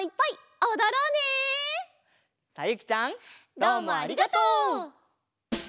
どうもありがとう！